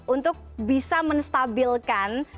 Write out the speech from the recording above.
untuk bisa menstabilkan